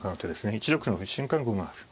１六歩の瞬間５七歩。